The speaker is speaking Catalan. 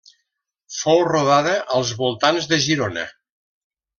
Fou rodada als voltants de Girona.